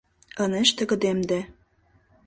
Ынеж тыгыдемде.